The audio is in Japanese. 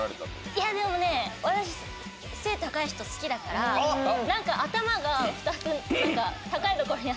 いやでもね私背高い人好きだからなんか頭が２つ高い所にあったから。